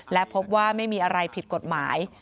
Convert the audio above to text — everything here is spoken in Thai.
และพบว่าไม่มีอะไรผิดกฎหมาย